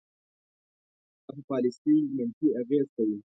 دا په پالیسۍ منفي اغیز کوي.